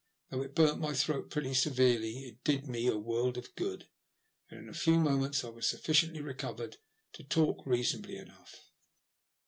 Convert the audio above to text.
Though it burnt my throat pretty severely, it did me a world of good, and in a few moments I was sufficiently recovered to talk reasonably enough.